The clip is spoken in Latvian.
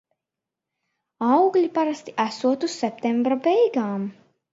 Augļi parasti esot uz septembra beigām.